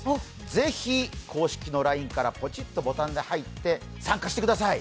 ぜひ公式のＬＩＮＥからポチッとボタンで入って参加してください。